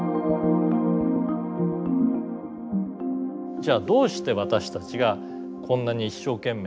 じゃあどうして私たちがこんなに一生懸命生きるためにですね